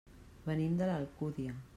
Venim de l'Alcúdia.